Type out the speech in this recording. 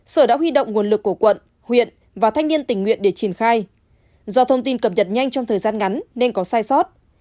sở đã huy động nguồn lực của quận huyện và thanh niên tình nguyện để triển khai do thông tin cập nhật nhanh trong thời gian ngắn nên có sai sót